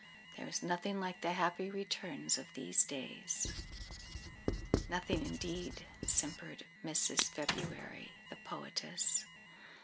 "There is nothing like the happy returns of these days." "Nothing, indeed," simpered Mrs. February, the poetess.